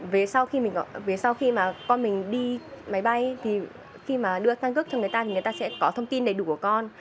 về sau khi mà con mình đi máy bay thì khi mà đưa căn cước cho người ta thì người ta sẽ có thông tin đầy đủ của con